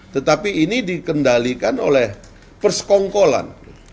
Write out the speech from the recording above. tetapi ini dikendalikan oleh persekongkolan